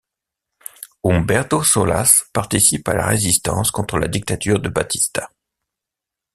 Humberto Solás participe à la résistance contre la dictature de Batista.